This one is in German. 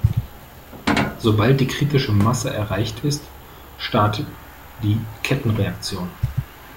Sobald die kritische Masse erreicht ist, startet die Kettenreaktion.